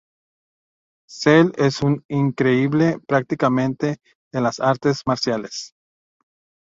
Zell es un increíble practicante de las artes marciales.